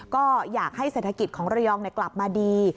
ก็อยากให้เศรษฐกิจของระยองกลับมาดี